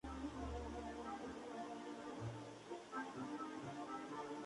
La grabación del disco fue realizada en estudios de grabación de Hawái y California.